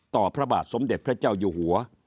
พระบาทสมเด็จพระเจ้าอยู่หัว